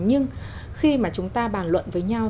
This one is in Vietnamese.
nhưng khi mà chúng ta bàn luận với nhau